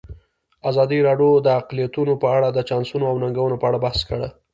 ازادي راډیو د اقلیتونه په اړه د چانسونو او ننګونو په اړه بحث کړی.